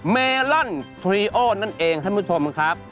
เมลอนทรีโอนั่นเองท่านผู้ชมครับ